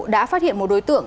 đã phát hiện một đối tượng